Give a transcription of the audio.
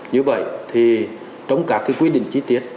như vậy thì trong các cái quyết định chi tiết